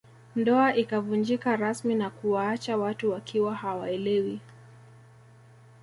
Ndoa ikavunjika rasmi na kuwaacha watu wakiwa hawaelewi